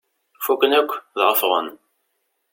Fukken akk, dɣa ffɣen.